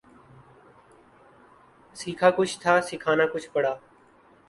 سیکھا کچھ تھا سکھانا کچھ پڑا